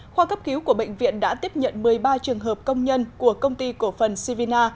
khoa cấp cứu của bệnh viện đã tiếp nhận một mươi ba trường hợp công nhân của công ty cổ phần sivina